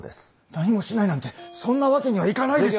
何もしないなんてそんなわけにはいかないでしょ！